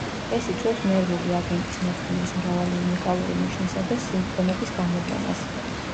ეს იწვევს ნერვული აგენტის მოწამვლის მრავალი უნიკალური ნიშნისა და სიმპტომების გამოვლენას.